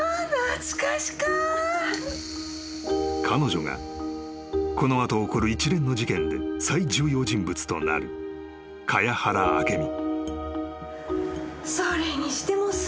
［彼女がこの後起こる一連の事件で最重要人物となる茅原明美］